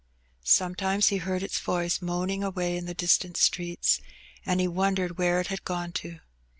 Sometimes he heard its voice moaning away in the distant streets, and he wondered where it had gone to.